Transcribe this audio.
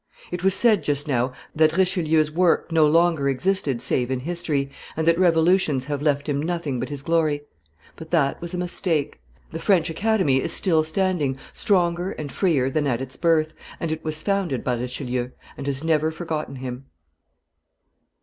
It was said just now that Richelieu's work no longer existed save in history, and that revolutions have left him nothing but his glory; but that was a mistake: the French Academy is still standing, stronger and freer than at its birth, and it was founded by Richelieu, and has never forgotten him.